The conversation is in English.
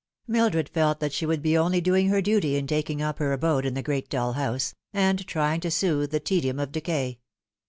Mildred felt that she would be only doing her duty in taking up her abode in the great dull house, and trying to soothe the tedium of decay.